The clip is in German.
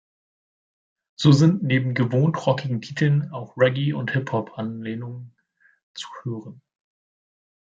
So sind neben gewohnt rockigen Titeln auch Reggae- und Hip-Hop-Anlehnungen zu hören.